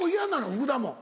福田も。